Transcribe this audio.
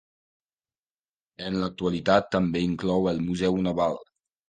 En l'actualitat també inclou el Museu Naval.